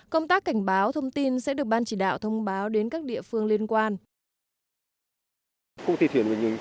công tác cảnh báo thông tin sẽ được ban chỉ đạo thông báo đến các địa phương liên quan